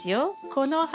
この花